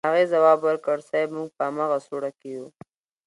هغې ځواب ورکړ صيب موږ په امغه سوړه کې يو.